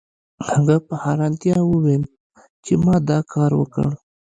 هغه په حیرانتیا وویل چې ما دا کار وکړ